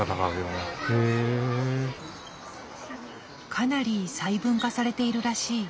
かなり細分化されているらしい。